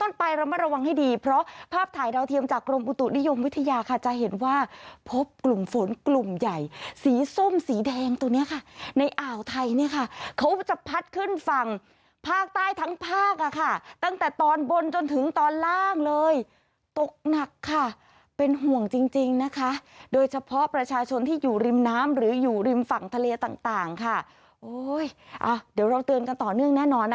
ต้องไประมะระวังให้ดีเพราะภาพถ่ายดาวเทียมจากกรมปูตุนิยมวิทยาค่ะจะเห็นว่าพบกลุ่มฝนกลุ่มใหญ่สีส้มสีแดงตัวเนี้ยค่ะในอ่าวไทยเนี้ยค่ะเขาจะพัดขึ้นฝั่งภาคใต้ทั้งภาคอะค่ะตั้งแต่ตอนบนจนถึงตอนล่างเลยตกหนักค่ะเป็นห่วงจริงจริงนะคะโดยเฉพาะประชาชนที่อยู่ริมน้ำหรื